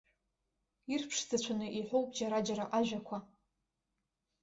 Ирԥшӡацәаны иҳәоуп џьара-џьара ажәақәа.